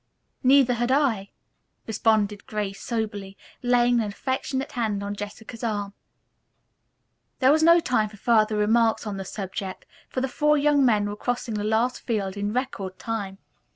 "Neither had I," responded Grace soberly, laying an affectionate hand on Jessica's arm. There was no time for further remarks on the subject, for the four young men were crossing the last field in record time.